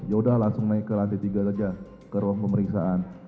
yaudah langsung naik ke lantai tiga aja ke ruang pemeriksaan